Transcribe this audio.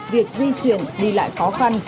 việc di chuyển đi lại khó khăn